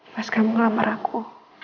mas kamu ngelamar aku